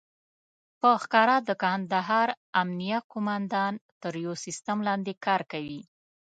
په ښکاره د کندهار امنيه قوماندان تر يو سيستم لاندې کار کوي.